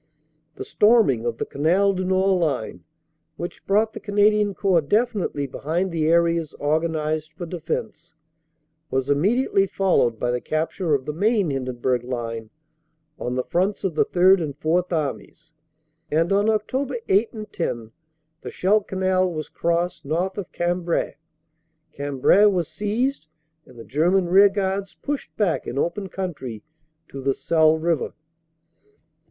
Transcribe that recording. "The storming of the Canal du Nord line, which brought the Canadian Corps definitely behind the areas organized for defense, was immediately followed by the capture of the main Hindenburg line on the fronts of the Third and Fourth Armies, and on Oct. 8 and 10 the Scheldt Canal was crossed north of Cambrai. Cambrai was seized and the German rearguards pushed back in open country to the Selle river.